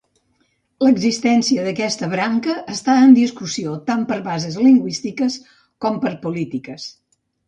L'existència d'aquesta branca està en discussió tant per bases lingüístiques com per polítiques.